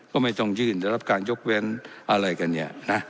ก็ไม่ต้องยื่นได้รับการยกเว้นอะไรกันเนี่ยนะ